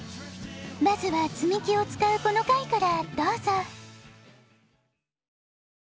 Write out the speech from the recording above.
まずはつみきをつかうこのかいからどうぞ。